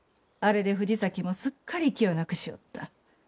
あれで藤崎もすっかり勢いをなくしおった。